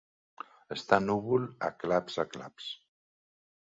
Està núvol a claps a claps.